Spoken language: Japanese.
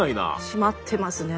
締まってますね